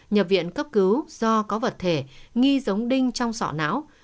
nhập viện cấp cứu do có vật thể nghi giống đinh trong sọ não